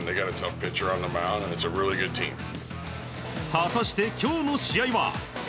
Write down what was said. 果たして、今日の試合は？